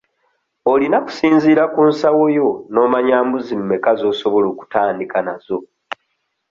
Olina kusinziira ku nsawo yo n'omanya mbuzi mmeka z'osobola okutandika nazo.